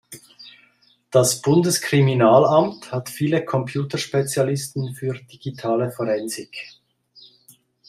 Das Bundeskriminalamt hat viele Computerspezialisten für digitale Forensik.